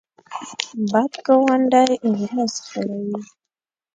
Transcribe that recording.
بد ګاونډی ورځ خړوي